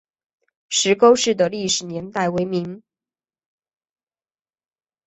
石沟寺的历史年代为明。